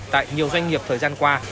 tại nhiều doanh nghiệp thời gian qua